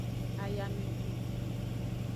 Ayamehun.